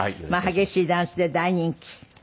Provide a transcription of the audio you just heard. まあ激しいダンスで大人気。